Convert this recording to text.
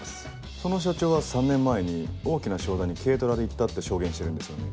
その社長は３年前に大きな商談に軽トラで行ったって証言してるんですよね。